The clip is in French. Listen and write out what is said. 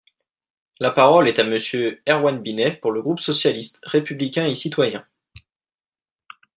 La parole est à Monsieur Erwann Binet, pour le groupe socialiste, républicain et citoyen.